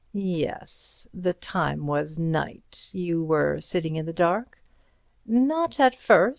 "Yes. The time was night. You were sitting in the dark?" "Not at first.